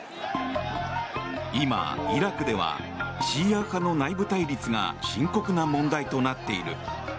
今、イラクではシーア派の内部対立が深刻な問題となっている。